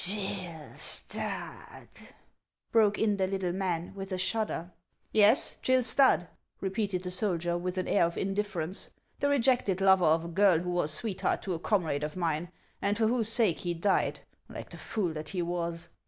" Gill Stadt !" broke in the little man, with a shudder. " Yes, Gill Stadt !" repeated the soldier, with an air of indifference, —" the rejected lover of a girl who was sweet heart to a comrade of mine, and for whose sake he died, like the fool that he was."